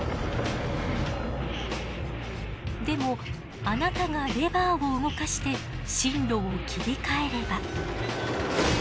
でもあなたがレバーを動かして進路を切り替えれば。